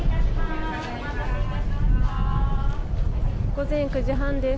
午前９時半です。